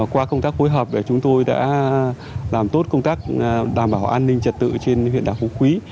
qua công tác phối hợp chúng tôi đã làm tốt công tác đảm bảo an ninh trật tự trên huyện đảo phú quý